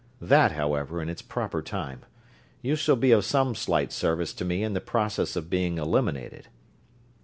That, however, in its proper time you shall be of some slight service to me in the process of being eliminated.